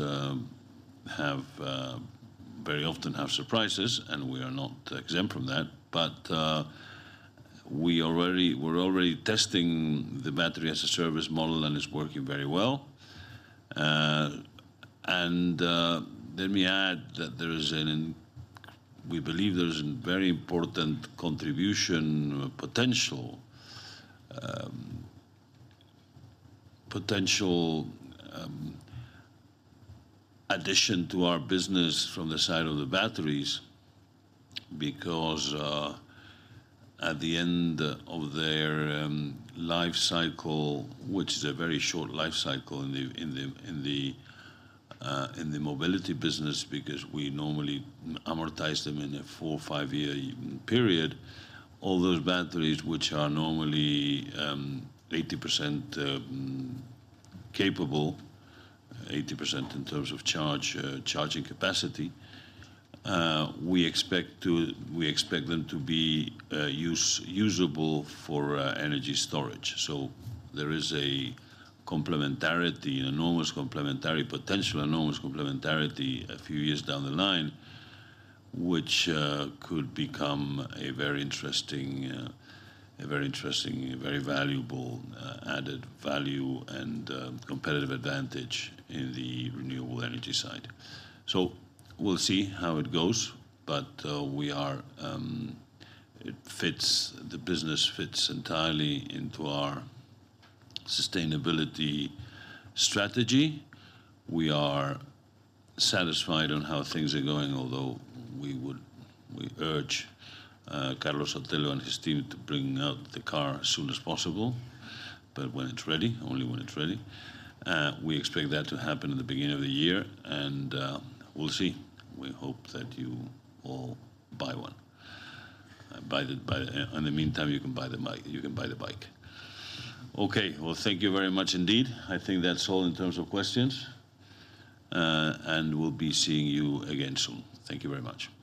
very often have surprises, and we are not exempt from that. We're already testing the battery-as-a-service model, and it's working very well. Let me add that we believe there is a very important contribution potential, addition to our business from the side of the batteries because at the end of their life cycle, which is a very short life cycle in the mobility business, because we normally amortize them in a four or five-year period. All those batteries, which are normally 80% capable, 80% in terms of charge charging capacity, we expect them to be usable for energy storage. There is a complementarity, enormous complementary potential, enormous complementarity a few years down the line, which could become a very interesting, very valuable added value and competitive advantage in the renewable energy side. We'll see how it goes, but the business fits entirely into our sustainability strategy. We are satisfied on how things are going, although we urge Carlos Sotelo and his team to bring out the car as soon as possible. But when it's ready, only when it's ready. We expect that to happen in the beginning of the year, and we'll see. We hope that you all buy one. Buy the. In the meantime, you can buy the bike. Okay. Well, thank you very much indeed. I think that's all in terms of questions. We'll be seeing you again soon. Thank you very much. Bye.